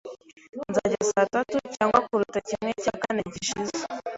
Nzajya saa tatu, cyangwa kuruta kimwe cya kane gishize.